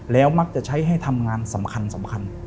แล้วมักจะใช้ให้ทำงานสำคัญ